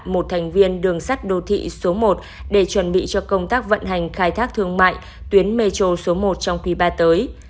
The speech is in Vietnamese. một thành viên đường sắt đô thị số một để chuẩn bị cho công tác vận hành khai thác thương mại tuyến metro số một trong quý ba tới